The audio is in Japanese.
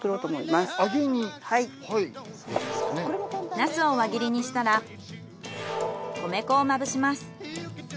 ナスを輪切りにしたら米粉をまぶします。